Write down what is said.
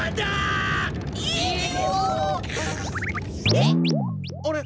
えっ？あれ？